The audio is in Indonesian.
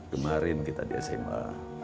kemarin kita di sma